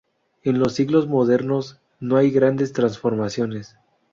En los siglos modernos no hay grandes transformaciones.